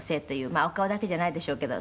「まあお顔だけじゃないでしょうけど」